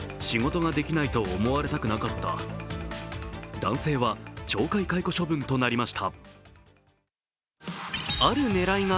男性は懲戒解雇処分となりました。